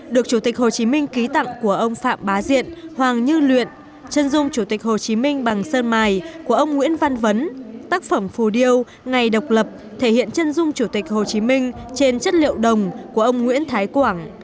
được chủ tịch hồ chí minh ký tặng của ông phạm bá diện hoàng như luyện chân dung chủ tịch hồ chí minh bằng sơn mài của ông nguyễn văn vấn tác phẩm phù điêu ngày độc lập thể hiện chân dung chủ tịch hồ chí minh trên chất liệu đồng của ông nguyễn thái quảng